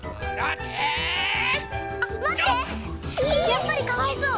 やっぱりかわいそう。